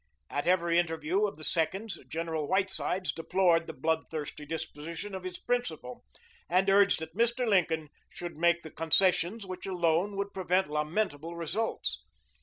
At every interview of the seconds General Whitesides deplored the bloodthirsty disposition of his principal, and urged that Mr. Lincoln should make the concessions which alone would prevent lamentable results.